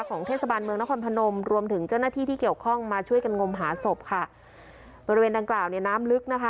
ของเทศบาลเมืองนครพนมรวมถึงเจ้าหน้าที่ที่เกี่ยวข้องมาช่วยกันงมหาศพค่ะบริเวณดังกล่าวเนี่ยน้ำลึกนะคะ